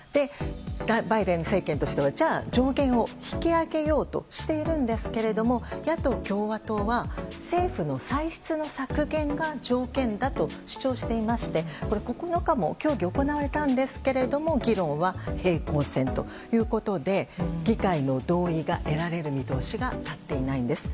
バイデン政権としてはじゃあ、上限を引き上げようとしているんですけれども野党・共和党は政府の歳出の削減が条件だと主張していまして９日も協議を行われたんですけれども議論は平行線ということで議会の同意が得られる見通しが立っていないんです。